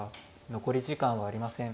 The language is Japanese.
残り時間はありません。